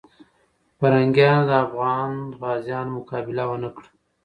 پرنګیانو د افغان غازیانو مقابله ونه کړه.